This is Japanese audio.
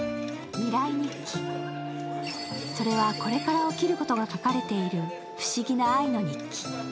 「未来日記」、それはこれから起きることが書かれている不思議な愛の日記。